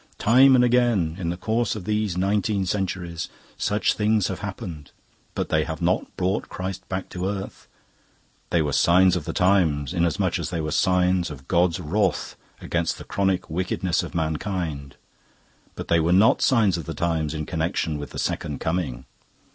Time and again, in the course of these nineteen centuries, such things have happened, but they have not brought Christ back to earth. They were 'signs of the times' inasmuch as they were signs of God's wrath against the chronic wickedness of mankind, but they were not signs of the times in connection with the Second Coming.